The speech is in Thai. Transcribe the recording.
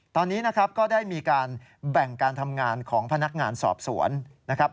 ตอนนี้นะครับก็ได้มีการแบ่งการทำงานของพนักงานสอบสวนนะครับ